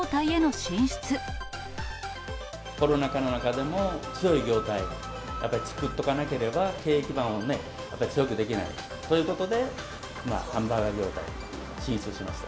コロナ禍の中でも、強い業態をやっぱり作っとかなければ、経営基盤をやっぱり強くできないということで、ハンバーガー業態に進出しました。